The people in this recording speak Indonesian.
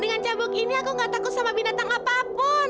dengan cabuk ini aku gak takut sama binatang apapun